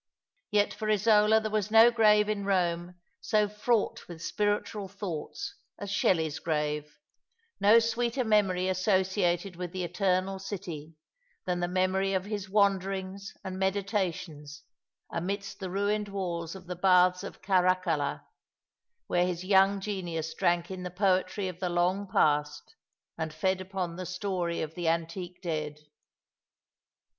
Yet for Isola there was no grave in Eome so fraught with spiritual thoughts as Shelley's grave, no sweeter memory 252 All along the River, associated with the eternal city than the memory of his wanderings and meditations amidst the ruined walls of the Baths of Caracalla, where his young genius drank in the poetry of the long past, and fed upon the story of the antique dead.